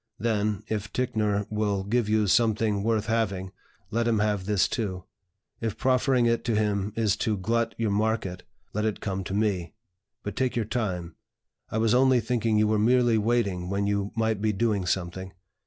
Then, if Ticknor will give you something worth having, let him have this too; if proffering it to him is to glut your market, let it come to me. But take your time. I was only thinking you were merely waiting when you might be doing something.